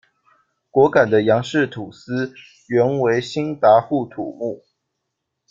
果敢的杨氏土司原为兴达户土目。